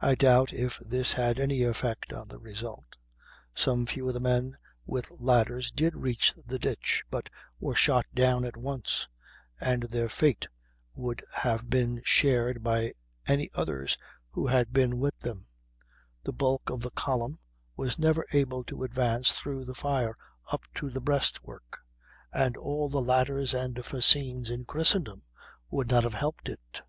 I doubt if this had any effect on the result. Some few of the men with ladders did reach the ditch, but were shot down at once, and their fate would have been shared by any others who had been with them; the bulk of the column was never able to advance through the fire up to the breastwork, and all the ladders and fascines in Christendom would not have helped it.